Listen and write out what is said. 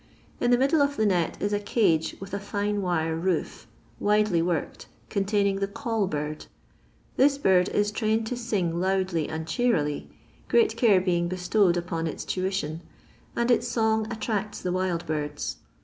In the middle of the net is a cage with a fine wire roof, widely worked, containing the " call bird." This bird is trained to sing loudly and cheerily, great care being bestowed upon iu tuition, and its song attracts the wild birds.